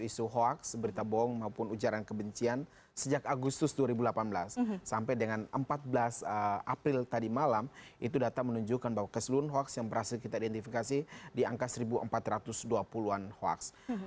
isu hoax berita bohong maupun ujaran kebencian sejak agustus dua ribu delapan belas sampai dengan empat belas april tadi malam itu data menunjukkan bahwa keseluruhan hoaks yang berhasil kita identifikasi di angka satu empat ratus dua puluh an hoax